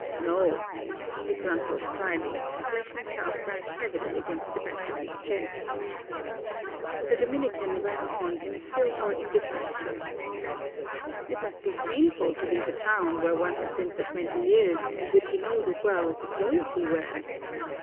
"No!" he grunted dryly, and let himself back heavily against the back of his chair. The Dominican went on in a still more indifferent tone. "It must be painful to leave a town where one has been for twenty years and which he knows as well as the clothes he wears.